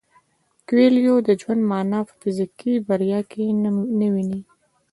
کویلیو د ژوند مانا په فزیکي بریا کې نه ویني.